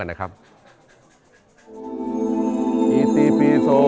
โปรดติดตามต่อไป